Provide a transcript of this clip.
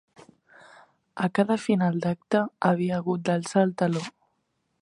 A cada final d'acte havia hagut d'alçar el teló